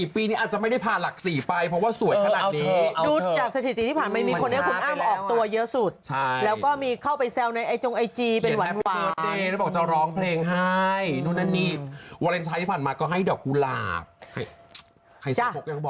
เป็นยิ่งกว่าเป็นคนที่สำคัญที่สุด